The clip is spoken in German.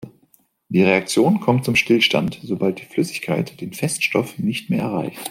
Die Reaktion kommt zum Stillstand, sobald die Flüssigkeit den Feststoff nicht mehr erreicht.